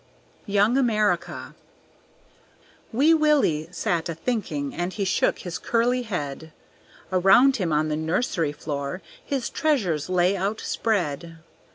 Young America Wee Willie sat a thinking, And he shook his curly head. Around him on the nursery floor His treasures lay outspread.